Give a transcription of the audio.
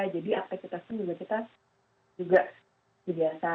jadi apresitasnya juga kita juga biasa